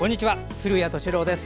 古谷敏郎です。